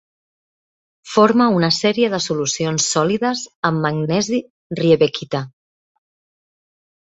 Forma una sèrie de solucions sòlides amb magnesi-riebeckita.